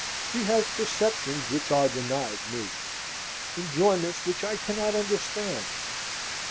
He has perceptions which are denied me; enjoyments which I cannot understand.